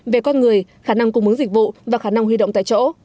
về con người khả năng cung mứng dịch vụ và khả năng huy động tại chỗ